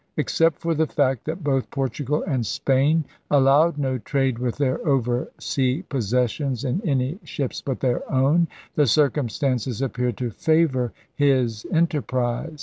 Ex cept for the fact that both Portugal and Spain allowed no trade with their oversea possessions in any ships but their own, the circumstances appeared to favor his enterprise.